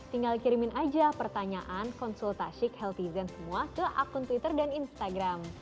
tinggal kirimin aja pertanyaan konsultasik healthy zen semua ke akun twitter dan instagram